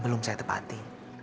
belum saya tepati